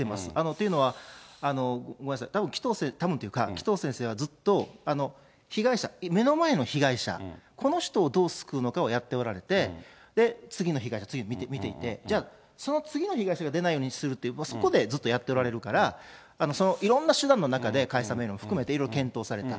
というのは、ごめんなさい、たぶん、紀藤先生、たぶんというか、紀藤先生はずっと被害者、目の前の被害者、この人をどう救うのかをやっておられて、次の被害者を見ていて、じゃあその次の被害者が出ないようにするっていう、そこでずっとやっておられるから、そのいろんな手段の中で、解散命令も含めて検討された。